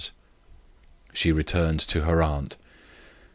She returned to her aunt.